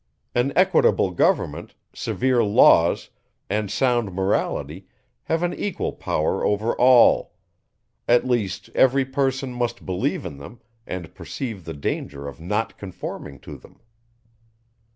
An equitable government, severe laws, and sound morality have an equal power over all; at least, every person must believe in them, and perceive the danger of not conforming to them.